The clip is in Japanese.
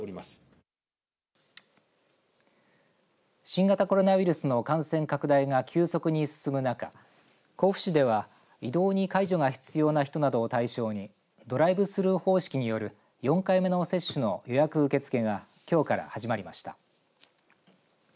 新型コロナウイルスの感染拡大が急速に進む中、甲府市では移動に介助が必要な人などを対象にドライブスルー方式による４回目の接種の予約受け付けがきょうから始まりました。